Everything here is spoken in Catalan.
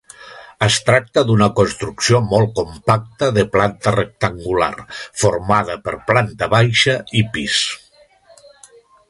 Es tracta d'una construcció molt compacta de planta rectangular, formada per planta baixa i pis.